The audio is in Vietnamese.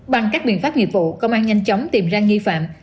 bằng các biện pháp nghiệp vụ công an nhanh chóng tìm ra nghi phạm